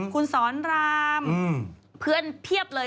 คุณสอนรามเพื่อนเพียบเลย